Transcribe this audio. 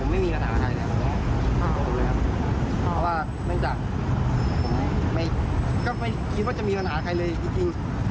ไม่คิดว่าจะมีปัญหาใครเลยจริง